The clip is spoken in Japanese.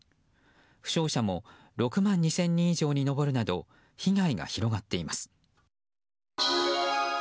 負傷者も６万２０００人以上に上るなど被害が広がっています。